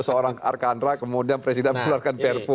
seorang arkanra kemudian presiden keluarkan perpu